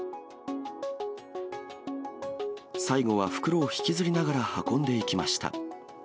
最後は袋を引きずりながら運んでいきました。